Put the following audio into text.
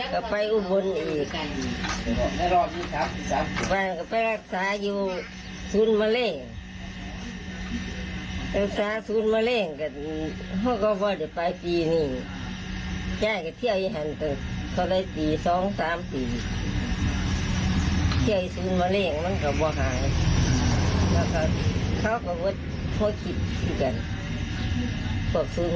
เขาก็ว่าโทษกิจอยู่กันปลอบฟื้นมาแล้วอย่างนั้น